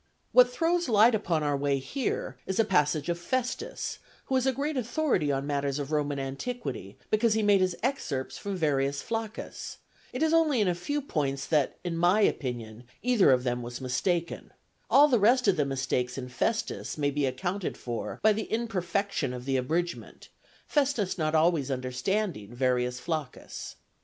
What throws light upon our way here is a passage of Festus, who is a great authority on matters of Roman antiquity, because he made his excerpts from Verrius Flaccus; it is only in a few points that, in my opinion, either of them was mistaken; all the rest of the mistakes in Festus may be accounted for by the imperfection of the abridgment, Festus not always understanding Verrius Flaccus.